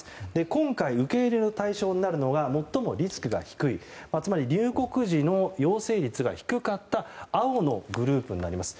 今回、受け入れの対象になるのが最もリスクが低いつまり入国時の陽性率が低かった青のグループになります。